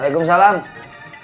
bang n shovemem tuh